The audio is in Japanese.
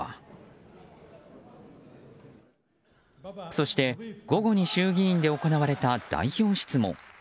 そして、午後に衆議院で行われた代表質問。